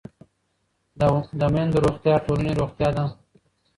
د میندو روغتیا د ټولنې روغتیا ده.